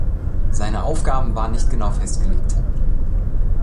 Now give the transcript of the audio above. Seine Aufgaben waren nicht genau festgelegt.